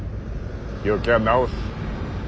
病気は治す。